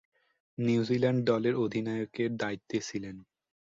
New Zealand দলের অধিনায়কের দায়িত্বে ছিলেন।